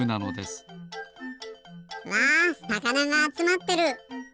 うわさかながあつまってる。